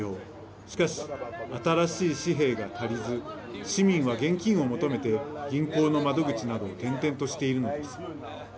しかし、新しい紙幣が足りず市民は現金を求めて銀行の窓口などを転々としているのです。